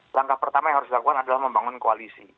langkah pertama yang harus dilakukan adalah membangun koalisi